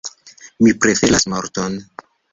Mi preferas morton!